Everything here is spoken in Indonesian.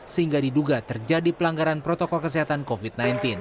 sehingga diduga terjadi pelanggaran protokol kesehatan covid sembilan belas